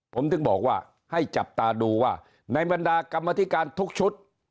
ผมถึงบอกว่าให้จับตาดูว่าในบรรดากรรมธิการทุกชุด